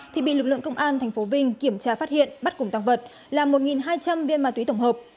thì bị lực lượng công an tp vinh kiểm tra phát hiện bắt cùng tăng vật là một hai trăm linh viên ma túy tổng hợp